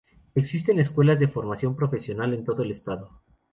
Existen escuelas de formación profesional en todo el estado.